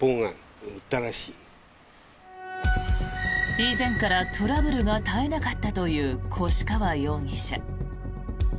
以前からトラブルが絶えなかったという越川容疑者。